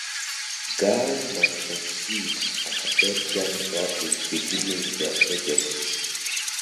Girls must complete a Cadette Journey prior to beginning their project.